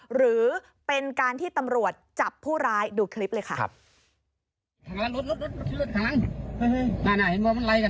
หรือเป็นการที่ตำรวจจับผู้ร้ายดูคลิปเลยค่ะ